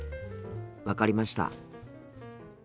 分かりました。